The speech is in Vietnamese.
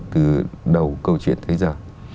từ đầu câu chuyện tới giờ